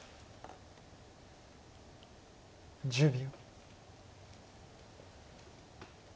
１０秒。